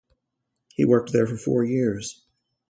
He worked there for four years.